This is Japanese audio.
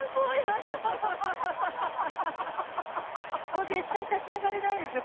もう絶対立ち上がれないでしょ？